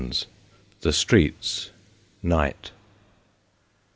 * THE STREETS NIGHT.